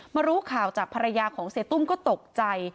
รู้ข่าวจากภรรยาของเสียตุ้มก็ตกใจ